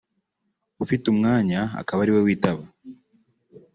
ufite umwanya akaba ari we witaba